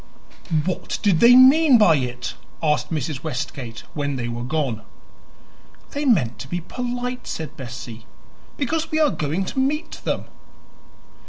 "What did they mean by it?" asked Mrs. Westgate, when they were gone. "They meant to be polite," said Bessie, "because we are going to meet them."